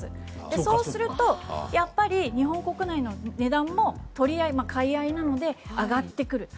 そうすると、やっぱり日本国内の値段も取り合い買いなので上がってくる。